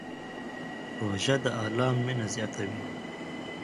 روژه د الله مینه زیاتوي.